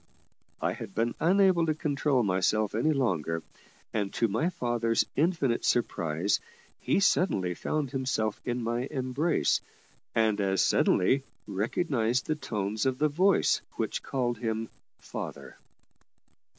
I had been unable to control myself any longer; and, to my father's infinite surprise, he suddenly found himself in my embrace, and, as suddenly, recognised the tones of the voice which called him "father."